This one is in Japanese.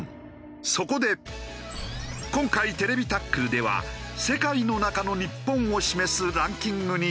そこで今回『ＴＶタックル』では世界の中の日本を示すランキングに注目。